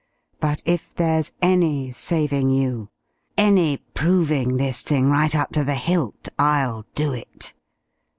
But if there's any saving you, any proving this thing right up to the hilt, I'll do it.